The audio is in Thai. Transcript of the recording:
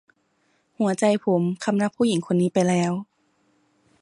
หัวใจผมคำนับผู้หญิงคนนี้ไปแล้ว